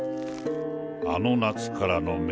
あの夏からの明